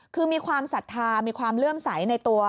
คือมีความศรัทธามีความเลื่อมใสในตัว